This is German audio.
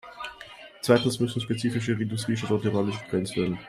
Zweitens müssen spezifische Industriestandorte räumlich begrenzt werden.